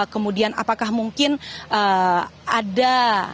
kemudian apakah mungkin ada